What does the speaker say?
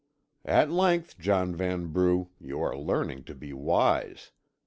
"At length, John Vanbrugh, you are learning to be wise.